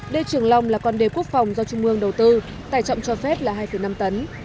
đê trường long là con đê quốc phòng do trung mương đầu tư tài trọng cho phép là hai năm tấn